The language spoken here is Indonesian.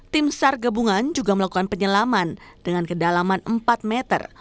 tim sar gabungan juga melakukan penyelaman dengan kedalaman empat meter